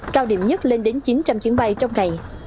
cao điểm nhất lên đến chín trăm linh chuyến bay trong ngày